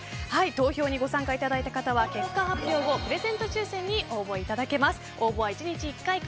投票にご参加いただいた方は結果発表後プレゼント抽選に応募いただけます。